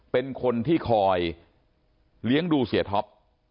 เป็นคนที่คอยเลี้ยงดูเสียท็อป